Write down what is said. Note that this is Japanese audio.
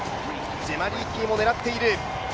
ジェマ・リーキーも狙っている。